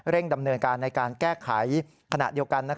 ดำเนินการในการแก้ไขขณะเดียวกัน